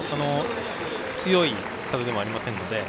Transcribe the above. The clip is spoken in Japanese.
強い風ではありません。